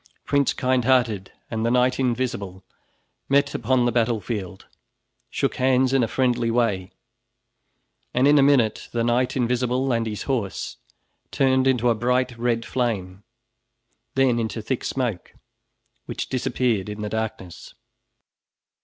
Prince Kindhearted and the Knight Invisible met upon the battle field, shook hands in a friendly way, and in a minute the Knight Invisible and his horse turned into a bright red flame, then into thick smoke, which disappeared in the darkness.